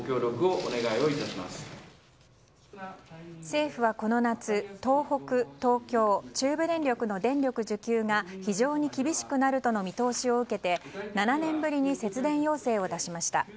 政府はこの夏東北・東京・中部電力の電力需給が非常に厳しくなるとの見とおしを受けて７年ぶりに節電要請を出しました。